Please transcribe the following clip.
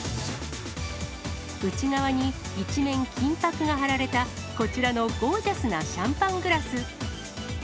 内側に一面金ぱくが貼られたこちらのゴージャスなシャンパングラス。